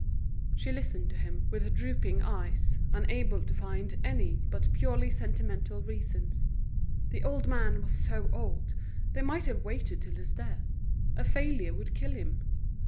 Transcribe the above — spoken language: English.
She listened to him, with drooping eyes, unable to find any but purely sentimental reasons. The old man was so old, they might have waited till his death; a failure would kill him.